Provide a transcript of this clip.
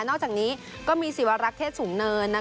อกจากนี้ก็มีศิวรักษ์เทศสูงเนิน